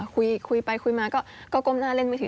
คุยไปคุยมาก็ก้มหน้าเล่นไม่ถึง